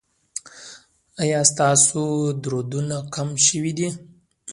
ایا ستاسو دردونه کم شوي دي؟